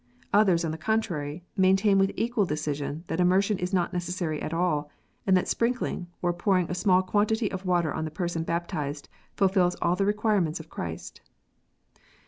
Others, on the contrary, maintain with equal decision that immersion is not necessary at all, and that sprinkling, or pouring a small quantity of water on the person baptized, fulfils all the require ments of Christ.